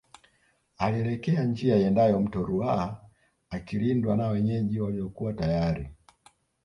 Alielekea njia iendayo mto Ruaha akilindwa na wenyeji waliokuwa tayari